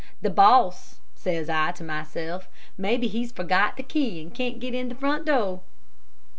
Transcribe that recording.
"'The boss,' says I to myself; 'maybe he's forgot the key and can't get in at the front door.'